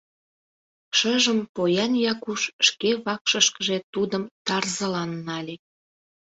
Шыжым поян Якуш шке вакшышкыже тудым тарзылан нале.